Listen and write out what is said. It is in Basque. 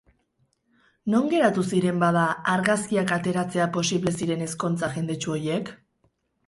Non geratu ziren, bada, argazkiak ateratzea posible ziren ezkontza jendetsu horiek?